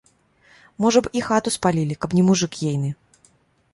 Можа б, і хату спалілі, каб не мужык ейны.